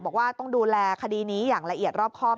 บอกว่าต้องดูแลคดีนี้อย่างละเอียดรอบครอบ